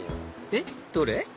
えっ？どれ？